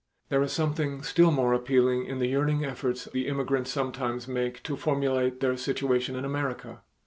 There is something still more appealing in the yearning efforts the immigrants sometimes make to formulate their situation in America.